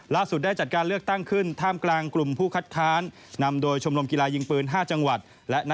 ล่าสุดได้จัดการเลือกตั้งขึ้นท่ามกลางกลุ่มผู้คัดค้าน